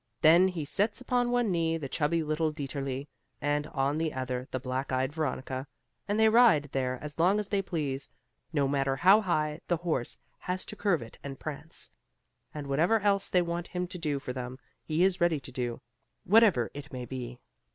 Then he sets upon one knee the chubby little Dieterli and on the other the black eyed Veronica, and they ride there as long as they please, no matter how high the horse has to curvet and prance. And whatever else they want him to do for them, he is ready to do, whatever it may be.